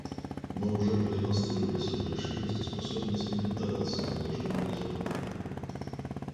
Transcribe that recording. Мы уже продемонстрировали свою решимость и способность не поддаваться ни нажиму, ни запугиванию.